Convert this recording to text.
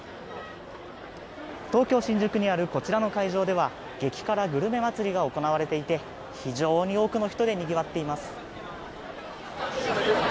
東京・新宿にあるこちらの会場では激辛グルメ祭りが行われていて非常に多くの人でにぎわっています。